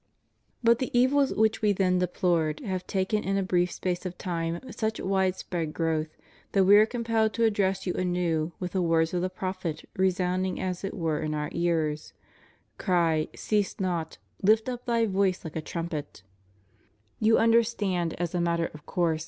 But the evils which We then deplored have taken in a brief space of time such widespread growth that We are compelled to address you anew, Math the words of the prophet resounding as it were in Our ears: Cry, ceast not, lift up thy voice like a trumpet} You understand as a matter of course.